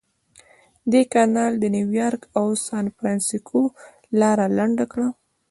دې کانال د نیویارک او سانفرانسیسکو لاره لنډه کړه.